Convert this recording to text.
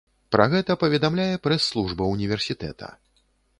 Пра гэта паведамляе прэс-служба ўніверсітэта.